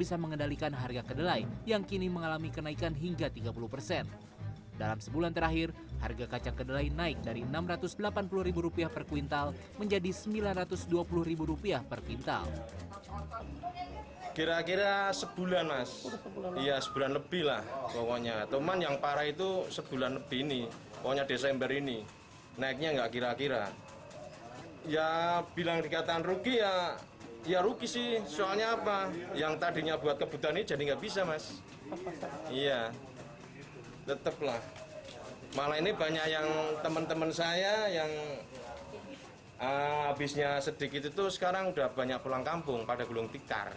ini banyak yang teman teman saya yang habisnya sedikit itu sekarang udah banyak pulang kampung pada gulung tikar